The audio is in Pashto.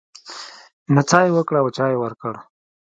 نڅا يې وکړه او چای يې ورکړ.